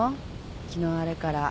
昨日あれから。